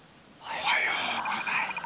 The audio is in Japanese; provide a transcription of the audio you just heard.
おはようございます。